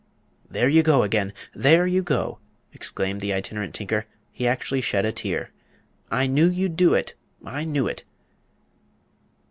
"There you go again! There you go!" exclaimed the Itinerant Tinker. He actually shed a tear. "I knew you'd do it I knew it!"